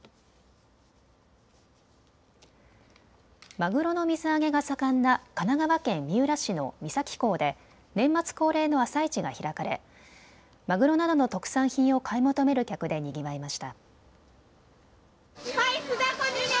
マグロの水揚げが盛んな神奈川県三浦市の三崎港で年末恒例の朝市が開かれマグロなどの特産品を買い求める客でにぎわいました。